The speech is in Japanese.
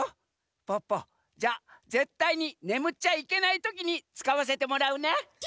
ポッポじゃあぜったいにねむっちゃいけないときにつかわせてもらうね。